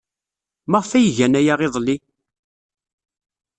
Maɣef ay gan aya iḍelli?